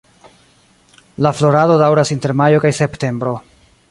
La florado daŭras inter majo kaj septembro.